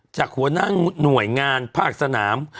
จากหัวหน้าหน่วยงานภาคสนาม